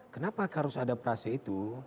kenapa harus ada prase itu